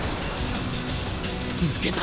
抜けた！